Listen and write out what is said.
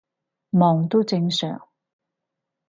忙都正常